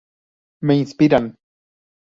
Me inspiran.